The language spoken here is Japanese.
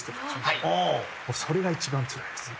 それが一番つらいです。